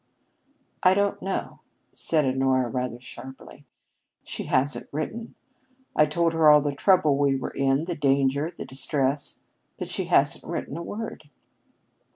"I don't know," said Honora, rather sharply. "She hasn't written. I told her all the trouble we were in, the danger and the distress, but she hasn't written a word."